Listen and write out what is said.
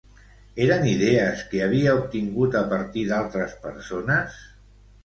Eren idees que havia obtingut a partir d'altres persones?